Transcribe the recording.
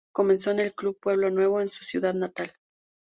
Comenzó en el Club Pueblo Nuevo, en su ciudad natal.